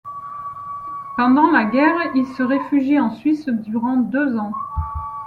Pendant la guerre, il se réfugie en Suisse durant deux ans.